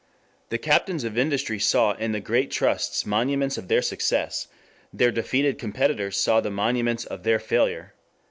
The captains of industry saw in the great trusts monuments of (their) success; their defeated competitors saw the monuments of (their) failure.